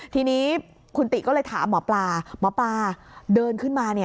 ทีนี้คุณติก็เลยถามหมอปลาหมอปลาเดินขึ้นมา